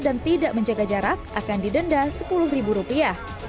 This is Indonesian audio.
dan tidak menjaga jarak akan didenda sepuluh ribu rupiah